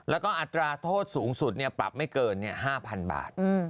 แล้วก็อัตราโทษสูงสุดปรับไม่เกิน๕๐๐๐บาท